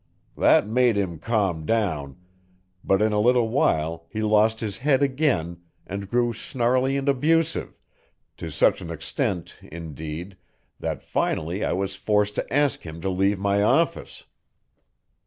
That made him calm down, but in a little while he lost his head again and grew snarly and abusive to such an extent, indeed, that finally I was forced to ask him to leave my office."